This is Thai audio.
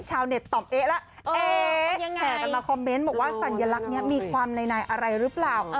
ชาวเน็ตตอบเอ๊ะแล้วเอ๊ะแห่กันมาคอมเมนต์บอกว่าสัญลักษณ์นี้มีความในอะไรหรือเปล่า